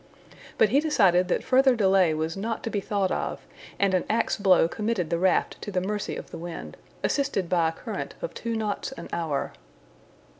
But he decided that further delay was not to be thought of, and an ax blow committed the raft to the mercy of the wind, assisted by a current of two knots an hour.